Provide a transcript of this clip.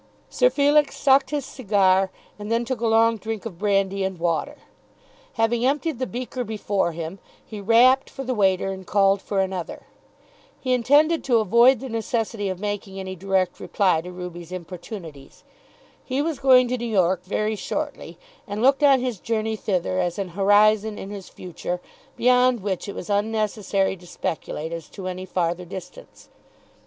Sir Felix sucked his cigar and then took a long drink of brandy and water. Having emptied the beaker before him, he rapped for the waiter and called for another. He intended to avoid the necessity of making any direct reply to Ruby's importunities. He was going to New York very shortly, and looked on his journey thither as an horizon in his future beyond which it was unnecessary to speculate as to any farther distance.